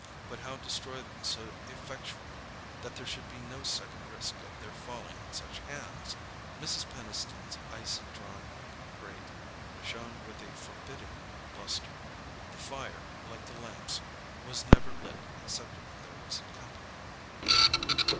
But how destroy them so effectually that there should be no second risk of their falling in such hands? Mrs. Peniston's icy drawing room grate shone with a forbidding lustre: the fire, like the lamps, was never lit except when there was company.